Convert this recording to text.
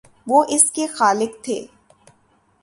وہ اس کے خالق تھے۔